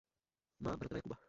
Má bratra Jakuba.